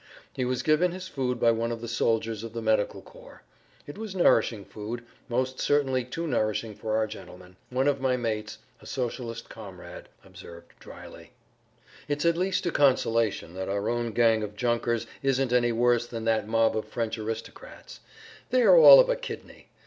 He was given his food by one of the soldiers of the medical corps; it was nourishing food, most certainly too nourishing for our gentleman. One of my mates, a Socialist comrade, observed drily, "It's at least a consolation that our own gang of junkers isn't any worse than that mob of French aristocrats; they are all of a kidney.